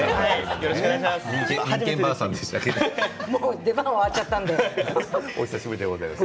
よろしくお願いします。